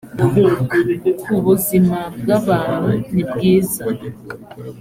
ku buzima bw abantu nibwiza